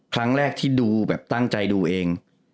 ครั้งแรกที่ดูแบบตั้งใจดูเอง